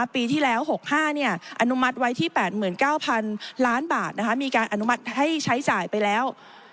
ปีที่แล้ว๖๕อนุมัติไว้ที่๘๙๐๐ล้านบาทมีการอนุมัติให้ใช้จ่ายไปแล้ว